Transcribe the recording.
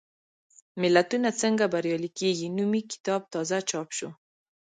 ملتونه څنګه بریالي کېږي؟ نومي کتاب تازه چاپ شو.